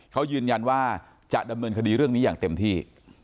เขายืนยันว่าเดี๋ยวนี้อย่างเต็มที่